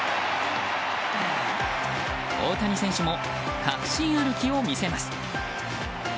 大谷選手も確信歩きを見せます。